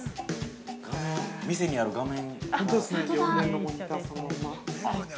店にある画面。